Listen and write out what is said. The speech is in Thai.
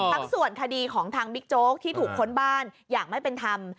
ทั้งส่วนคดีของทางบิ๊กโจ๊กที่ถูกค้นบ้านอย่างไม่เป็นธรรม